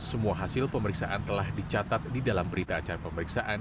semua hasil pemeriksaan telah dicatat di dalam berita acara pemeriksaan